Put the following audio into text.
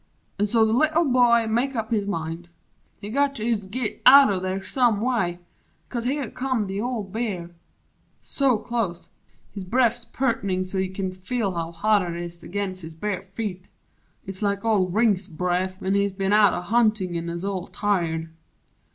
An' so the Little Boy make up his mind He's got to ist git out o' there some way! 'Cause here come the old Bear! so clos't, his bref's Purt 'nigh so's he kin feel how hot it is Ag'inst his bare feet ist like old "Ring's" bref When he's ben out a huntin' an's all tired.